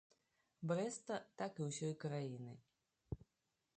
Брэста, так і ўсёй краіны.